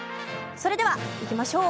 それでは行きましょう。